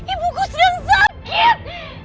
ibuku sedang sakit